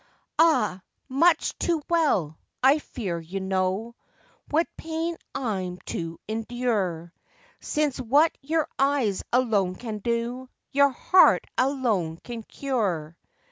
Ah! much too well, I fear, you know What pain I'm to endure, Since what your eyes alone can do Your heart alone can cure.